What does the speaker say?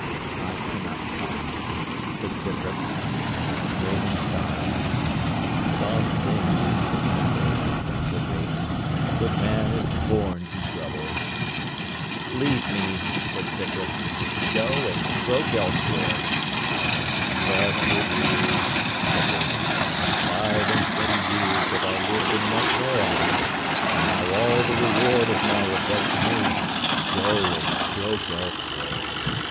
'I cannot come,' said Scythrop. Raven sighed. 'Something is the matter,' said Raven: 'but man is born to trouble.' 'Leave me,' said Scythrop: 'go, and croak elsewhere.' 'Thus it is,' said Raven. 'Five and twenty years have I lived in Nightmare Abbey, and now all the reward of my affection is Go, and croak elsewhere.